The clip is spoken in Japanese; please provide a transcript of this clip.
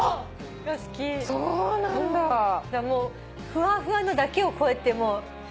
もうふわふわのだけをこうやって。